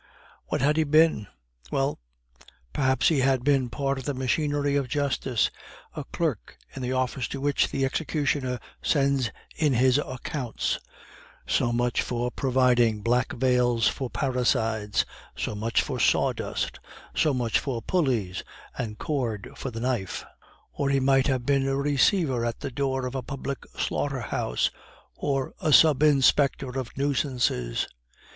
What had he been? Well, perhaps he had been part of the machinery of justice, a clerk in the office to which the executioner sends in his accounts, so much for providing black veils for parricides, so much for sawdust, so much for pulleys and cord for the knife. Or he might have been a receiver at the door of a public slaughter house, or a sub inspector of nuisances.